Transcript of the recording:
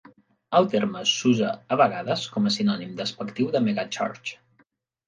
El terme s'usa a vegades com a sinònim despectiu de "megachurch".